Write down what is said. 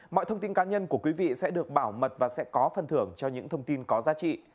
mọi thông tin cá nhân của quý vị sẽ được bảo mật và sẽ có phần thưởng cho những thông tin có giá trị